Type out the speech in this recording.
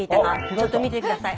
ちょっと見て下さい。